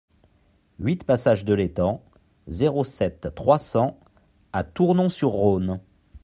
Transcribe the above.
huit passage de l'Étang, zéro sept, trois cents à Tournon-sur-Rhône